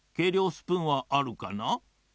スプーンはあるかな？